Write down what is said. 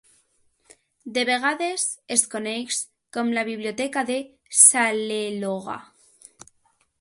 De vegades es coneix com la Biblioteca de Salelologa.